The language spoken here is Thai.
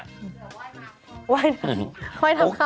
เดี๋ยวว่ายมาก